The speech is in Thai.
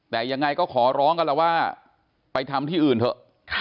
แต่ยังไงก็ขอร้องกันแล้วว่าไปทำที่อื่นเถอะ